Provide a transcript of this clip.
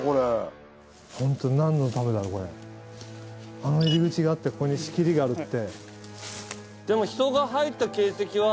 あの入り口があってここに仕切りがあるって。